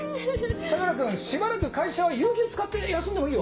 相良君しばらく会社は有給使って休んでもいいよ。